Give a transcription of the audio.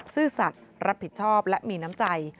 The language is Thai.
ซื่อสัตว์รับผิดชอบและมีน้ำใจ